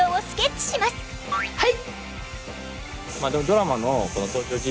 はい！